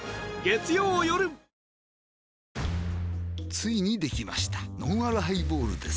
ついにできましたのんあるハイボールです